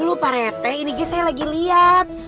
tuh pak retek ini saya lagi liat